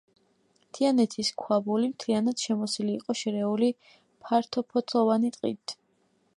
თიანეთის ქვაბული მთლიანად შემოსილი იყო შერეული ფართოფოთლოვანი ტყით.